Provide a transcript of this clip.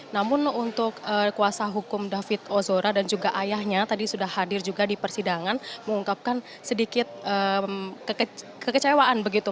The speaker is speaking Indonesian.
namun untuk kuasa hukum david ozora dan juga ayahnya tadi sudah hadir juga di persidangan mengungkapkan sedikit kekecewaan begitu